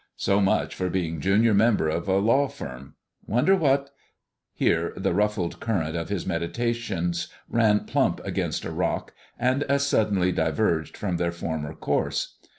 So much for being junior member of a law firm. Wonder what" Here the ruffled current of his meditations ran plump against a rock, and as suddenly diverged from their former course.